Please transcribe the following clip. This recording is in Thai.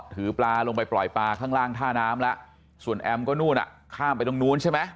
ถือปลาลงไปปล่อยปลาข้างล่างท่าน้ำแล้วส่วนแอมก็นู่นอ่ะข้ามไปตรงนู้นใช่ไหม